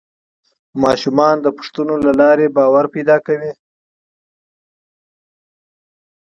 ماشومان د پوښتنو له لارې باور پیدا کوي